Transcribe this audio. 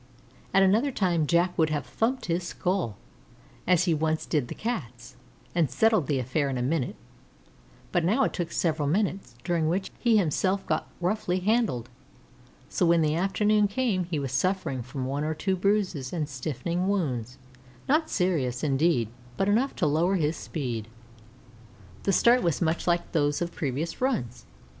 At another time Jack would have thumped his skull, as he once did the Cat's, and settled the affair in a minute; but now it took several minutes, during which he himself got roughly handled; so when the afternoon came he was suffering from one or two bruises and stiffening wounds; not serious, indeed, but enough to lower his speed. The start was much like those of previous runs.